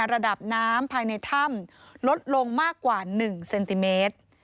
ระดับน้ำภายในถ้ำลดลงมากกว่า๑เซนติเมตร